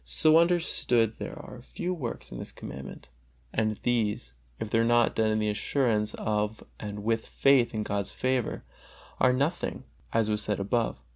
So understood there are very few works in this Commandment; and these, if they are not done in assurance of and with faith in God's favor, are nothing, as was said above.